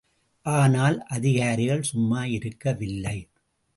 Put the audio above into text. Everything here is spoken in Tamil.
ஆனால் அதிகாரிகள் சும்மா இருக்கவில்லை.